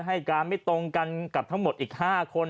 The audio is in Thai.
ให้การไม่ตรงกันกับทั้งหมดอีก๕คน